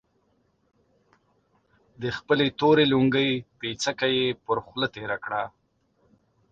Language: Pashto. د خپلې تورې لونګۍ پيڅکه يې پر خوله تېره کړه.